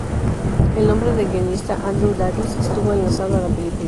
El nombre de guionista Andrew Davies estuvo enlazado a la película.